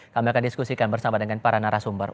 kami akan diskusikan bersama dengan para narasumber